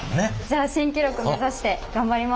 じゃあ新記録目指して頑張ります。